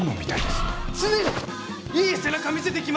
常にいい背中見せていきますんで！